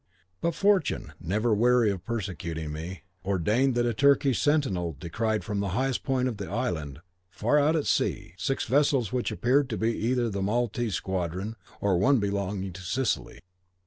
But fortune, never weary of persecuting me, ordained that a Turkish sentinel descried from the highest point of the island, far out at sea, six vessels which appeared to be either the Maltese squadron or one belonging to Sicily.